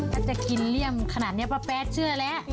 ถ้าจะกินเลี่ยมขนาดนี้ป้าแป๊ดเชื่อแล้ว